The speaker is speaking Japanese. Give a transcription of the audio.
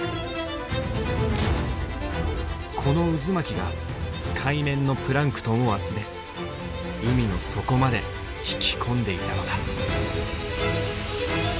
この渦巻きが海面のプランクトンを集め海の底まで引き込んでいたのだ。